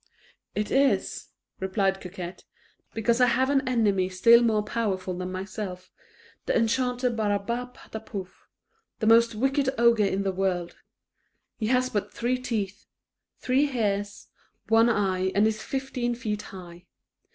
"It is," replied Coquette, "because I have an enemy still more powerful than myself, the Enchanter Barabapatapouf, the most wicked ogre in the world; he has but three teeth, three hairs, one eye, and is fifteen feet high.